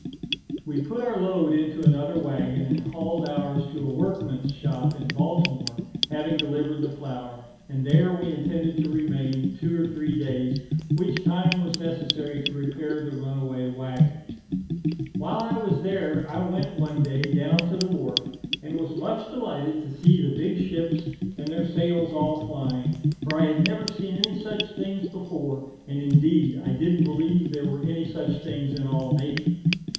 We put our load into another waggon, and hauled ours to a workman's shop in Baltimore, having delivered the flour, and there we intended to remain two or three days, which time was necessary to repair the runaway waggon. While I was there, I went, one day, down to the wharf, and was much delighted to see the big ships, and their sails all flying; for I had never seen any such things before, and, indeed, I didn't believe there were any such things in all nature.